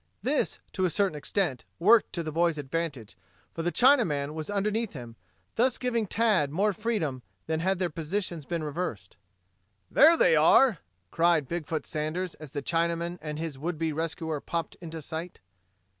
This, to a certain extent, worked to the boy's advantage, for the Chinaman was underneath him, thus giving Tad more freedom than had their positions been reversed. "There they are!" cried Big foot Sanders as the Chinaman and his would be rescuer popped into sight.